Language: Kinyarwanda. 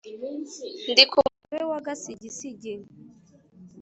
ndi ku mugabe wa gasigisigi,